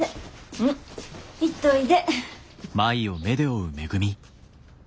うん行っといで。